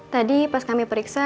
tadi pas kami periksa